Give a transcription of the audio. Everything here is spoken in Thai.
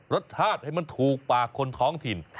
รสชาติให้มันถูกปากคนท้องถิ่น